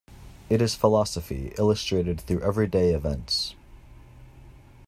It is philosophy, illustrated through everyday events.